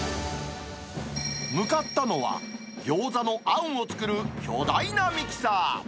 向かったのは、ギョーザのあんを作る巨大なミキサー。